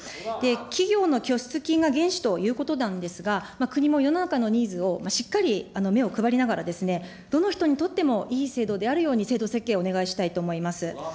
企業の拠出金が原資ということなんですが、国も世の中のニーズをしっかり目を配りながら、どの人にとってもいい制度であるように、制度設計をお願いしたいと思います。